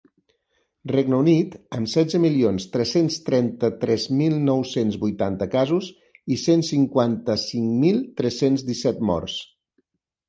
Regne Unit, amb setze milions tres-cents trenta-tres mil nou-cents vuitanta casos i cent cinquanta-cinc mil tres-cents disset morts.